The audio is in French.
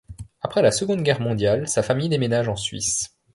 Après la Seconde Guerre mondiale sa famille déménage en Suisse.